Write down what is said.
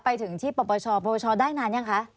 ไปถึงที่ปปชปชได้นานยังคะ